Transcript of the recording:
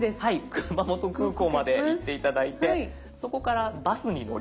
熊本空港まで行って頂いてそこからバスに乗り。